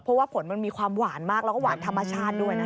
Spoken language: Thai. เพราะว่าผลมันมีความหวานมากแล้วก็หวานธรรมชาติด้วยนะคะ